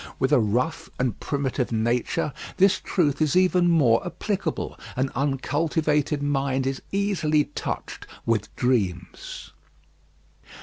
With a rough and primitive nature, this truth is even more applicable. An uncultivated mind is easily touched with dreams.